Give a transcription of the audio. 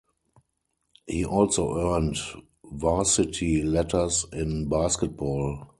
He also earned varsity letters in basketball.